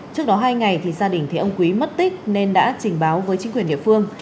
trước đó hai ngày thì gia đình thấy ông quý mất tích nên đã trình báo với chính quyền địa phương